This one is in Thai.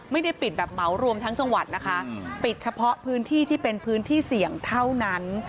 ไม่ได้ปิดแบบเหมารวมทั้งจังหวัดนะคะปิดเฉพาะพื้นที่ที่เป็นพื้นที่เสี่ยงเท่านั้น